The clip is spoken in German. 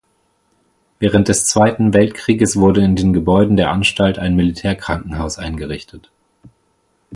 Während des Zweiten Weltkrieges wurde in den Gebäuden der Anstalt ein Militärkrankenhaus eingerichtet.